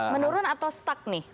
menurun atau stuck nih